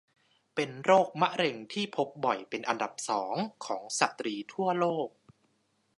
เป็นโรคมะเร็งที่พบบ่อยเป็นอันดับ สอง ของสตรีทั่วโลก